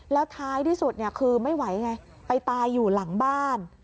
แล้วท้ายที่สุดคือไม่ไหวไงไปตายอยู่หลังบ้าน